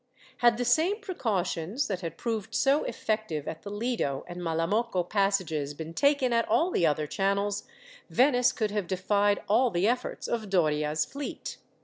Had the same precautions, that had proved so effective at the Lido and Malamocco passages, been taken at all the other channels; Venice could have defied all the efforts of Doria's fleet.